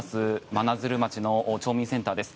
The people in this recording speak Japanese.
真鶴町の町民センターです。